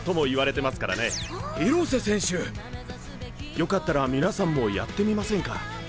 よかったら皆さんもやってみませんか？